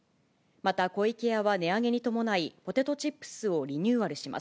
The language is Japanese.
また、湖池屋は値上げに伴い、ポテトチップスをリニューアルします。